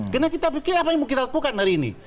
karena kita pikir apa yang kita lakukan hari ini